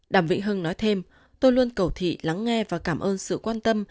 đàm vĩnh hưng nói thêm tôi luôn cầu thị lắng nghe và cảm ơn sự quan tâm